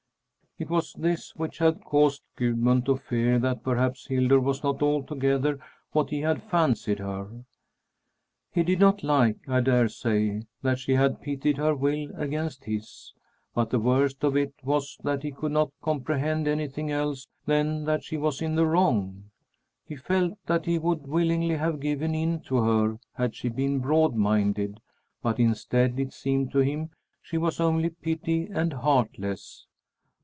It was this which had caused Gudmund to fear that perhaps Hildur was not altogether what he had fancied her. He did not like, I dare say, that she had pitted her will against his. But the worst of it was that he could not comprehend anything else than that she was in the wrong. He felt that he would willingly have given in to her had she been broad minded, but instead, it seemed to him, she was only petty and heartless.